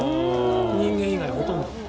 人間以外ほとんど。